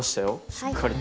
しっかりと。